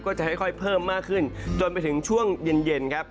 ก็จะค่อยเพิ่มมากขึ้นจนไปถึงช่วงเย็นครับ